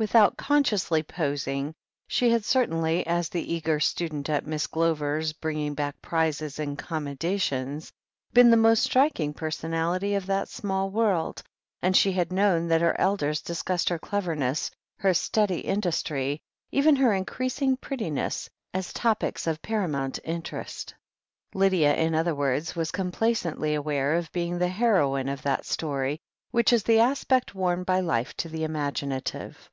Without consciously posing, she had certainly, as the es^er student at Miss Glover's bringing back prizes and commendations, been the most striking personality of that small world, and she had known that her elders discussed her cleverness, her steady industry, even her increasing prettiness, as topics of paramount interest. Lydia, in other words, was complacently aware of being the heroine of that story, which is the aspect worn ^y life to the imaginative.